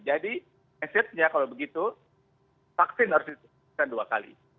jadi akhirnya kalau begitu vaksin harus disediakan dua kali